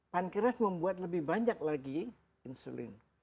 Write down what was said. pankreas membuat lebih banyak lagi insulin